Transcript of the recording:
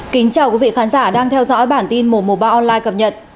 kính chào quý vị khán giả đang theo dõi bản tin một trăm một mươi ba online cập nhật